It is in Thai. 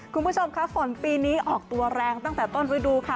คุณผู้ชมค่ะฝนปีนี้ออกตัวแรงตั้งแต่ต้นฤดูค่ะ